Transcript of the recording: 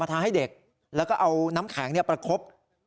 ทาให้เด็กแล้วก็เอาน้ำแข็งประคบ